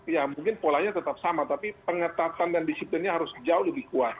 ya mungkin polanya tetap sama tapi pengetatan dan disiplinnya harus jauh lebih kuat